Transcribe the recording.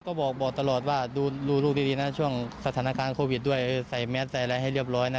ก็บอกตลอดว่าดูลูกดีนะช่วงสถานการณ์โควิดด้วยใส่แมสใส่อะไรให้เรียบร้อยนะ